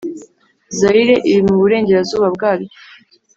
zayire iri mu burengerazuba bwaryo